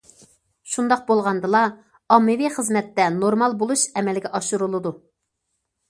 شۇنداق بولغاندىلا ئاممىۋى خىزمەتتە نورمال بولۇش ئەمەلگە ئاشۇرۇلىدۇ.